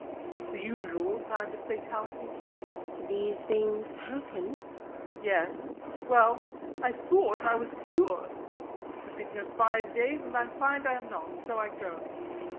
It's the usual kind of fatality. LADY TORMINSTER. These things happen. SIR GEOFFREY. Yes. Well, I thought I was cured. I've been here five days, and I find I am not. So I go.